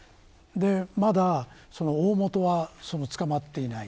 まだ、大もとは捕まっていない。